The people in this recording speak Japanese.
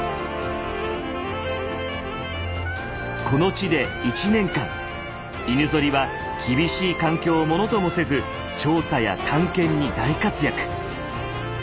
この地で１年間犬ゾリは厳しい環境をものともせず調査や探検に大活躍。